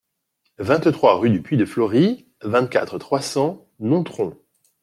vingt-trois rue du Puy de Flory, vingt-quatre, trois cents, Nontron